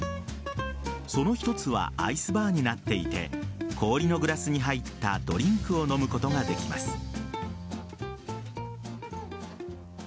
その一つはアイスバーになっていて氷のグラスに入ったドリンクを飲むことができます。